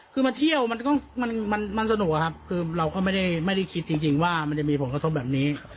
คือมาเที่ยวมันก็มันสนุกอะครับคือเราก็ไม่ได้คิดจริงว่ามันจะมีผลกระทบแบบนี้